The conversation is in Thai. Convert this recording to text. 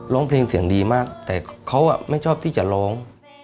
ร้องเพลงเสียงดีมากแต่เขาไม่ชอบที่จะร้อง